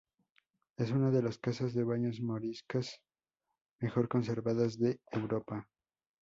Es una de las casas de baños moriscas mejor conservadas de Europa.